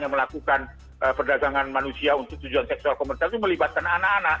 yang melakukan perdagangan manusia untuk tujuan seksual komersial itu melibatkan anak anak